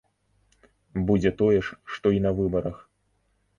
Будзе тое ж, што і на выбарах.